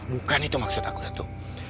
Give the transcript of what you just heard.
bukan itu maksud aku ratu